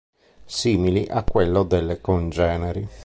Simili a quelle delle congeneri.